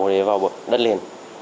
để vào đất liền